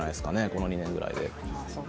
この２年ぐらいで。